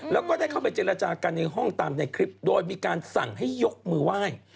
แล้วก็ได้เข้าไปเจรจากันในห้องตามในคลิปโดยมีการสั่งให้ยกมือไหว้